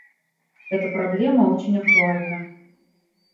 Эта проблема очень актуальна.